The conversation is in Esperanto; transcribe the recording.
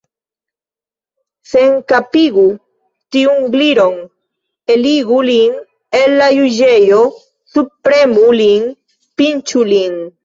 Senkapigu tiun Gliron! Eligu lin el la juĝejo! Subpremu lin! Pinĉu lin!